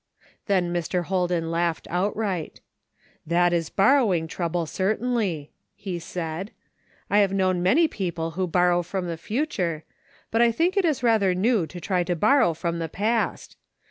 Then Mr. Holden laughed outright. "That is borrowing trouble, certainly," he said. "I have known many ])eople to borrow from the future, but I think it is rather new to try to bor^ ow from the past.